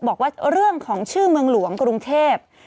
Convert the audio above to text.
บอกว่าเรื่องของชื่อเมืองหลวงกรุงเทพ